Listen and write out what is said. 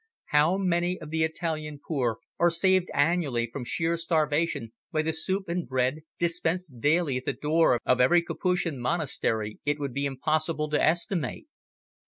How many of the Italian poor are saved annually from sheer starvation by the soup and bread dispensed daily at the door of every Capuchin monastery, it would be impossible to estimate.